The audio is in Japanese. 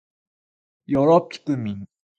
よろぴくみん